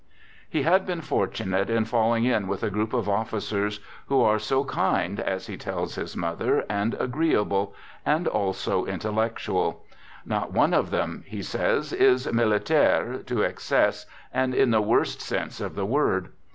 ..." He had been fortunate in falling in with a group of officers who are so kind, as he tells his mother, Digitized by 54 "THE GOOD SOLDIER and agreeable, and also intellectual. " Not one of them," he says, " is 1 militaire ' to excess, and in the worst sense of the word."